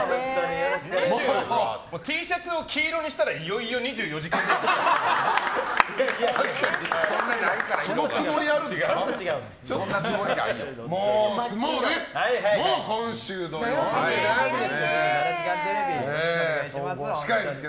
Ｔシャツを黄色にしたらいよいよ「２４時間テレビ」ですよ。